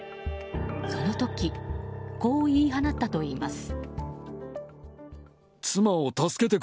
その時こう言い放ったといいます。